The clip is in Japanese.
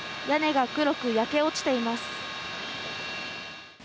屋根が黒く焼け落ちています。